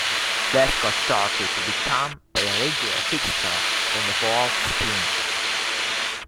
Lescott started to become a regular fixture in the Wolves' team.